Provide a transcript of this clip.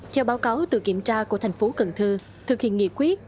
theo báo cáo từ kiểm tra của thành phố cần thơ thực hiện nghị quyết